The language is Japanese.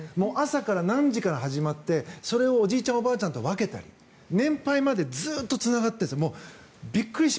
朝から何時から始まってそれをおじいちゃん、おばあちゃんと分けたり年配までずっとつながっているんです。